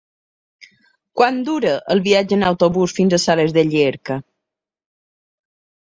Quant dura el viatge en autobús fins a Sales de Llierca?